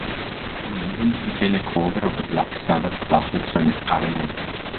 The album contained a cover of the Black Sabbath classic song "Paranoid".